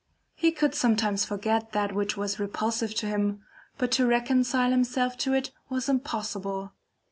He could sometimes forget that which was repulsive to him, but to reconcile himself to it was impossible.